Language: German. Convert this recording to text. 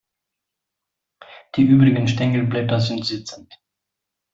Die übrigen Stängelblätter sind sitzend.